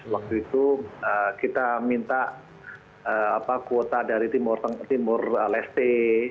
waktu itu kita minta kuota dari timur leste